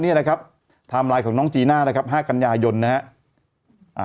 นี่นะครับไทม์ไลน์ของน้องจีน่านะครับ๕กัญญายนนะครับ